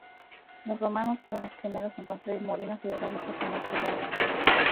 Los romanos fueron los primeros en construir molinos hidráulicos en Occidente.